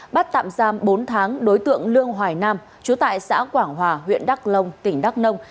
bắt tạm giam bốn tháng đối tượng lương hoài nam chú tại xã quảng hòa huyện đắk long tỉnh đắk nông